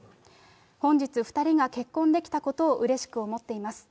本日、２人が結婚できたことを、うれしく思っています。